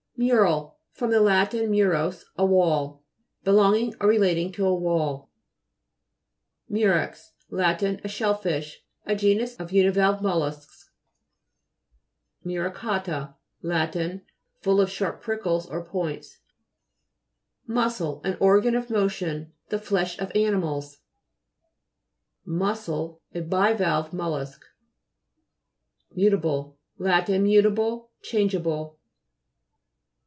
MTJ'RAL fr. lat. murus, a wall. Be longing or relating to a wall. MTJ'REX Lat. A shell fish. A genus of univalve mollusks. MURICA'TA Lat. Full of sharp prickles or points. MU'SCHELKALK Ger. (p. 50). MTTSCLE An organ of motion ; the flesh of animals. MTJ'SSEI, A bivalve mollusk. MUTA'BILE' Lat. Mutable, change able.